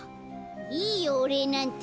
いいよおれいなんて。